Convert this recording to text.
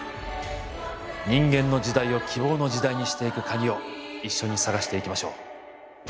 人間の時代を希望の時代にしていく鍵を一緒に探していきましょう。